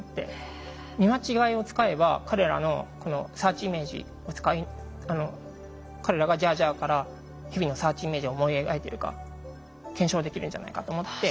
見間違えを使えば彼らのこのサーチイメージ彼らが「ジャージャー」からヘビのサーチイメージを思い描いてるか検証できるんじゃないかと思って。